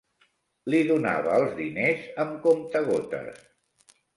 Li donava els diners amb comptagotes.